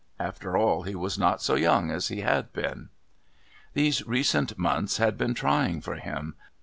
After all, he was not so young as he had been. These recent months had been trying for him.